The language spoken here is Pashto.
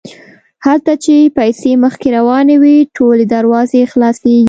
هلته چې پیسې مخکې روانې وي ټولې دروازې خلاصیږي.